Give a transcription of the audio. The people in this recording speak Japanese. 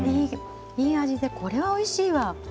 いい味で、これはおいしいわ。